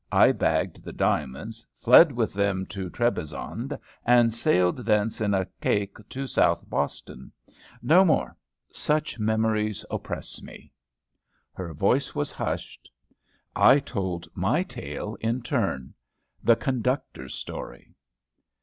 I bagged the diamonds, fled with them to Trebizond, and sailed thence in a caïque to South Boston. No more! such memories oppress me. Her voice was hushed. I told my tale in turn. THE CONDUCTOR'S STORY.